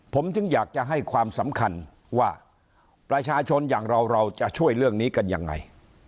ผมถึงอยากจะให้ความสำคัญว่าประชาชนอย่างเราเราจะช่วยเรื่องนี้กันยังไง